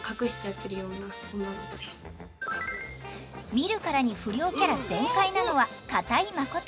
見るからに不良キャラ全開なのは片居誠。